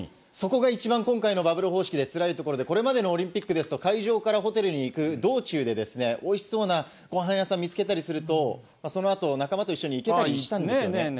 そこが一番、今回のバブル方式でつらいところで、これまでのオリンピックですと、会場からホテルに行く道中で、おいしそうなごはん屋さん見つけたりすると、そのあと、仲間と一緒に行けたりしたんですよね。